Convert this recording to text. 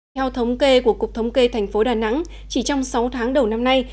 theo thống kê của cục thống kê thành phố đà nẵng chỉ trong sáu tháng đầu năm nay